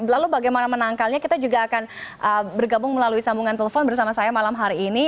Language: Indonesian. lalu bagaimana menangkalnya kita juga akan bergabung melalui sambungan telepon bersama saya malam hari ini